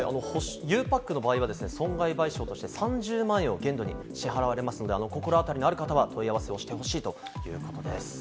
ゆうパックの場合、損害賠償として３０万円を限度に支払われますので、心当たりのある方は問い合わせをしてほしいということです。